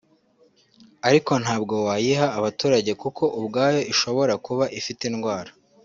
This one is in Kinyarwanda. ariko ntabwo wayiha abaturage kuko ubwayo ishobora kuba ifite indwara